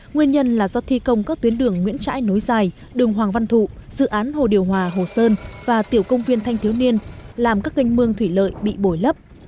nguyên nhân là do thi công các tuyến đường nguyễn trãi nối dài đường hoàng văn thụ dự án hồ điều hòa hồ sơn và tiểu công viên thanh thiếu niên làm các ganh mương thủy lợi bị bồi lấp